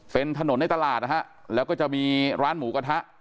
เป็นถนนในตลาดนะฮะแล้วก็จะมีร้านหมูกระทะ